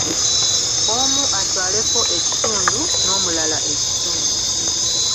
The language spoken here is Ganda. Omu atwaleko ekitundu n'omulala ekitundu.